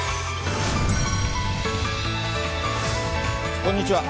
こんにちは。